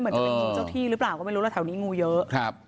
จะเป็นงูเจ้าที่หรือเปล่าก็ไม่รู้แล้วแถวนี้งูเยอะครับ